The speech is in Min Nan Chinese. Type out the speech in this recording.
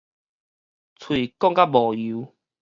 喙講甲無油